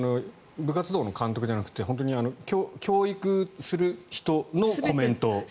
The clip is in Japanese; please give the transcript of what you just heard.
部活動の監督じゃなくて教育する人のコメントでしたね。